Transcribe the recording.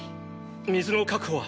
水の確保は？